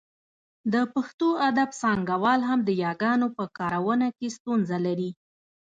د پښتو ادب څانګوال هم د یاګانو په کارونه کې ستونزه لري